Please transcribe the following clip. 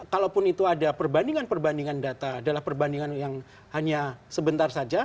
kalaupun itu ada perbandingan perbandingan data adalah perbandingan yang hanya sebentar saja